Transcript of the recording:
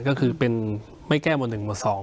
ก็คือเป็นและไม่แก้หมวดนึงหมวดสอง